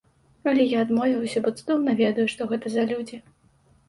Але я адмовіўся, бо цудоўна ведаю, што гэта за людзі.